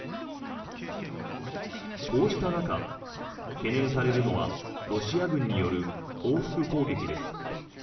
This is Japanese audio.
こうした中、懸念されるのはロシア軍による報復攻撃です。